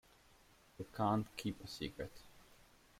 You can't keep a secret.